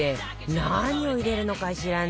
何を入れるのかしらね？